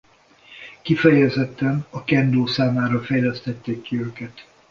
Kifejezetten a kendó számára fejlesztették ki őket.